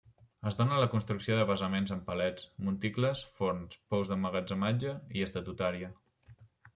Es dóna la construcció de basaments amb palets, monticles, forns, pous d'emmagatzematge, i estatuària.